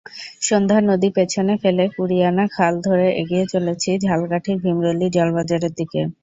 সন্ধ্যা নদী পেছনে ফেলে কুরিয়ানা খাল ধরে এগিয়ে চলেছি ঝালকাঠির ভিমরুলি জলবাজারের দিকে।